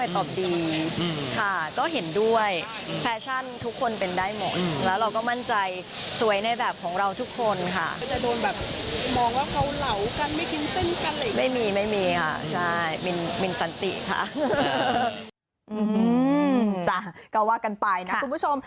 ขอบคุณผู้ชมกันไปนะคุณผู้ชม